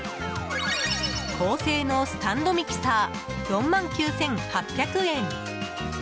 高性能スタンドミキサー４万９８００円。